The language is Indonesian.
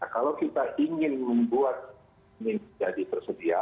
kalau kita ingin membuat minyak jadi tersedia